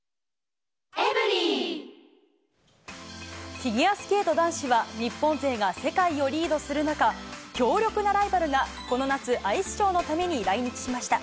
フィギュアスケート男子は、日本勢が世界をリードする中、強力なライバルがこの夏、アイスショーのために来日しました。